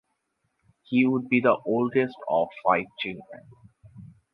He would be the oldest of five children.